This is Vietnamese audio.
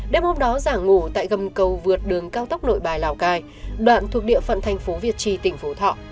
đêm hôm đó giảng ngủ tại gầm cầu vượt đường cao tốc nội bài lào cai đoạn thuộc địa phận thành phố việt trì tỉnh phú thọ